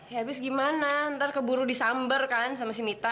ya abis gimana ntar keburu disamber kan sama si mita